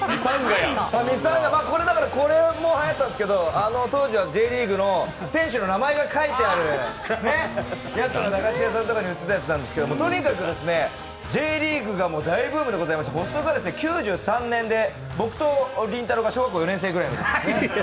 ミサンガ、これもはやったんですがあの当時はＪリーグの選手の名前が書いてあるやつが駄菓子屋さんとかに売ってたんですけどとにかくＪリーグが大ブームでございまして発足が９３年で僕とりんたろーが小学校３年くらい。